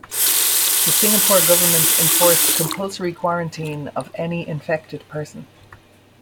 The Singapore Government enforced compulsory quarantine of any infected person.